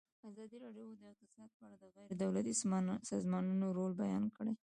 ازادي راډیو د اقتصاد په اړه د غیر دولتي سازمانونو رول بیان کړی.